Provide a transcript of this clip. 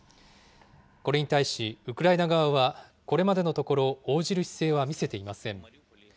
これに対しウクライナ側は、これまでのところ応じる姿勢は見せていません。